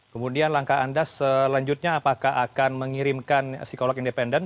kemudian langkah anda selanjutnya apakah akan mengirimkan psikolog independen